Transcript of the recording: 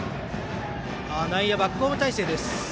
内野、バックホーム態勢です。